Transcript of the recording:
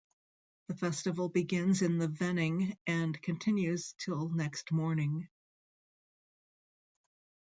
The festival begins in the vening and continues till next morning.